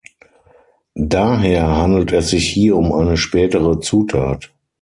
Daher handelt es sich hier um eine spätere Zutat.